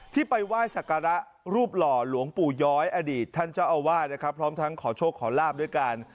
ไปไหว้สักการะรูปหล่อหลวงปู่ย้อยอดีตท่านเจ้าอาวาสนะครับพร้อมทั้งขอโชคขอลาบด้วยกัน